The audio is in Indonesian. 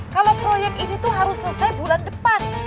kalau proyek ini tuh harus selesai bulan depan